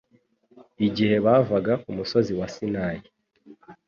igihe bavaga ku musozi wa sinayi